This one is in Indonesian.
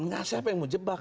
tidak ada siapa yang mau jebak